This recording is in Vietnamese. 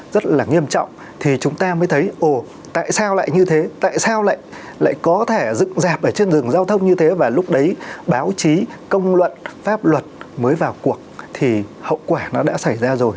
rất là nghiêm trọng thì chúng ta mới thấy ồ tại sao lại như thế tại sao lại lại có thể dựng dạp ở trên rừng giao thông như thế và lúc đấy báo chí công luận pháp luật mới vào cuộc thì hậu quả nó đã xảy ra rồi